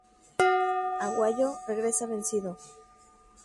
Aguayo regresa vencido.